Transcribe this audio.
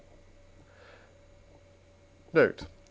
Note.